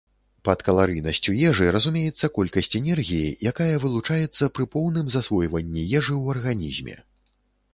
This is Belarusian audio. Пад каларыйнасцю ежы разумеецца колькасць энергіі, якая вылучаецца пры поўным засвойванні ежы ў арганізме.